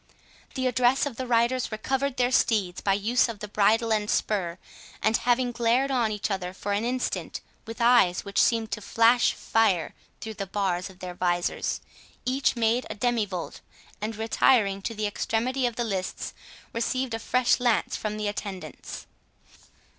The address of the riders recovered their steeds by use of the bridle and spur; and having glared on each other for an instant with eyes which seemed to flash fire through the bars of their visors, each made a demi volte, and, retiring to the extremity of the lists, received a fresh lance from the attendants.